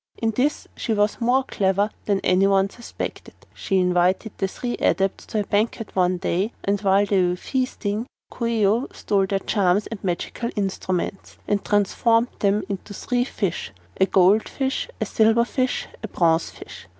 In this she was more clever than anyone suspected. She invited the three Adepts to a banquet one day, and while they were feasting Coo ee oh stole their charms and magical instruments and transformed them into three fishes a gold fish, a silver fish and a bronze fish.